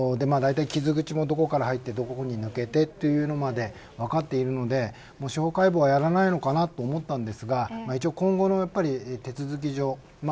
傷口も、どこから入ってどこに抜けるというところまで分かっているので、司法解剖はやらないのかなと思いましたが今後の手続き上